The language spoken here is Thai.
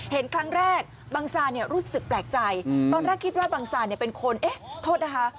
เห็นครั้งแรกบังซาเนี่ยรู้สึกแปลกใจตอนแรกคิดว่าบังซานเป็นคนเอ๊ะโทษนะคะ